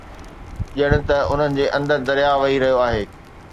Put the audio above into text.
ڄڻ ته انهن جي اندر درياهه وهي رهيو آهي